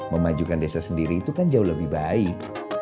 memajukan desa sendiri itu kan jauh lebih baik